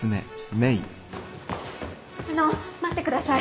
あの待ってください。